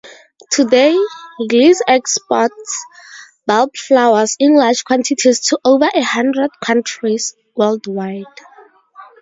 Today, Lisse exports bulbflowers in large quantities to over a hundred countries worldwide.